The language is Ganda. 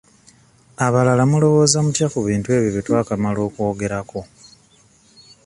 Abalala mulowooza mutya ku bintu ebyo bye twakamala okwogerako?